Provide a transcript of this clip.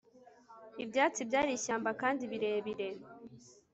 Ibyatsi byari ishyamba kandi birebire